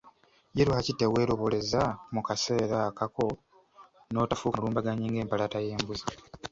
Ye lwaki teweeroboleza mu kasero akako n'otafuuka mulumbanganyi ng'empalaata y'embuzi?